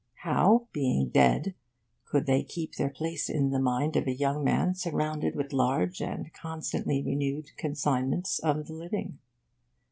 How, being dead, could they keep their place in the mind of a young man surrounded with large and constantly renewed consignments of the living?